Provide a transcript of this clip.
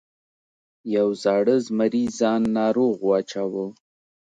یو زاړه زمري ځان ناروغ واچاوه.